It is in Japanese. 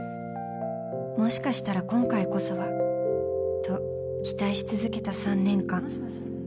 もしかしたら今回こそはと期待し続けた３年間